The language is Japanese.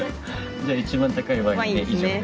じゃあ一番高いワイン以上で。